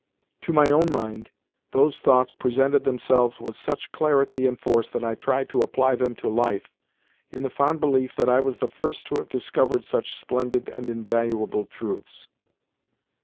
To my own mind those thoughts presented themselves with such clarity and force that I tried to apply them to life, in the fond belief that I was the first to have discovered such splendid and invaluable truths.